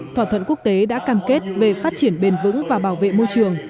thỏa thuận quốc tế đã cam kết về phát triển bền vững và bảo vệ môi trường